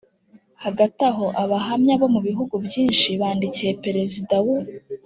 Hagati aho Abahamya bo mu bihugu byinshi bandikiye perezida w u